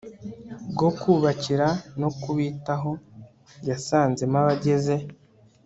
bwo kubakira no kubitaho yasanzemo abageze